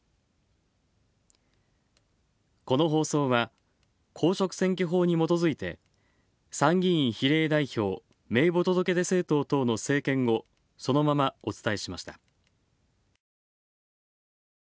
この放送は、公職選挙法にもとづいて参議院比例代表名簿届出政党等の政見をそのままお伝えしました。